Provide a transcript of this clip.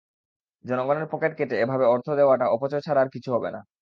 জনগণের পকেট কেটে এভাবে অর্থ দেওয়াটা অপচয় ছাড়া কিছু হবে না।